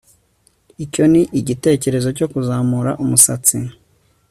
Icyo ni igitekerezo cyo kuzamura umusatsi